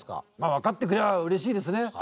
わかってくれりゃうれしいですね。